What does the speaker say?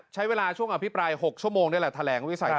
ใช้เวลาช่วงอภิปราย๖ชั่วโมงนี่แหละแถลงวิสัย